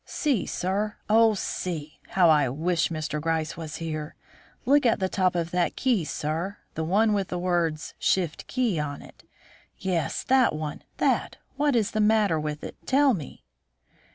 "See, sir; oh, see! How I wish Mr. Gryce were here! Look at the top of that key, sir the one with the words, 'Shift key' on it. Yes, that one; that! What is the matter with it? Tell me."